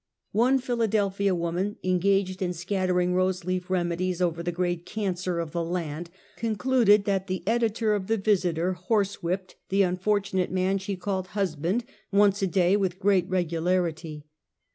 One Philadelphia woman, engaged in scattering rose leaf remedies over the great cancer of the land, concluded that the editor of the Yisiter horsewhipped the unfortunate man she called husband, once a day, with great regularity.